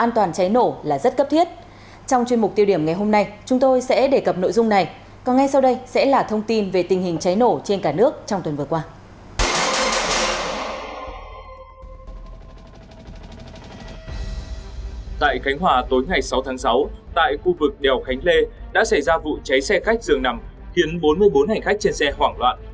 tại khánh hòa tối ngày sáu tháng sáu tại khu vực đèo khánh lê đã xảy ra vụ cháy xe khách dường nằm khiến bốn mươi bốn hành khách trên xe hoảng loạn